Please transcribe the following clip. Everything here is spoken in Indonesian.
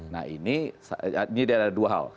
nah ini ada dua hal